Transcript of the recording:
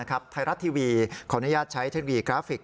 ไทยรัตน์ทีวีขออนุญาตใช้เทลโนมัติกราฟิก